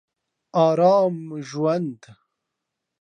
ارام ژوند